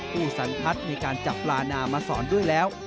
ผู้สังพัฒในการจับรานะมาสอนด้วยแล้ว